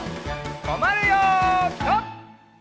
とまるよピタ！